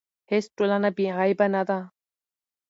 هیڅ ټولنه بې عیبه نه ده.